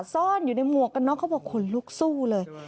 ซ่อนอยู่ในหมวกกันน็อกเขาบอกขนลุกสู้เลย